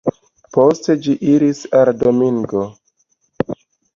Poste ĝi iris al Domingo.